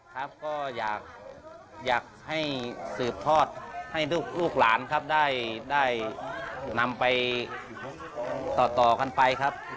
ครับก็อยากให้สืบทอดให้ลูกหลานครับได้นำไปต่อกันไปครับ